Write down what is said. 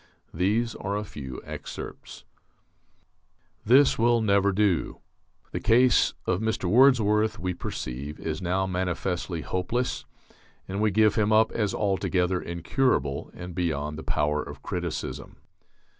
These are a few excerpts: This will never do.... The case of Mr. Wordsworth, we perceive, is now manifestly hopeless; and we give him up as altogether incurable, and beyond the power of criticism